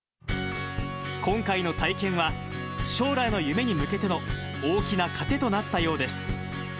今回の体験は、将来の夢に向けての大きな糧となったようです。